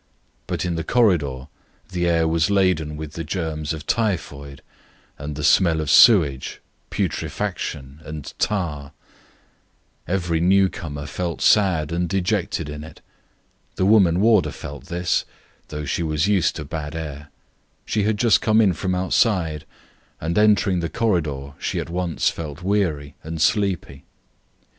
But in the corridor the air was laden with the germs of typhoid, the smell of sewage, putrefaction, and tar; every newcomer felt sad and dejected in it. The woman warder felt this, though she was used to bad air. She had just come in from outside, and entering the corridor, she at once became sleepy.